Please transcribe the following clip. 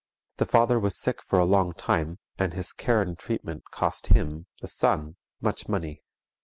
The father was sick a long time, and his care and treatment cost him, the son, much money.